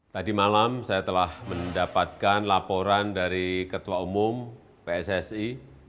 tadi malam saya telah mendapatkan laporan dari ketua umum pssi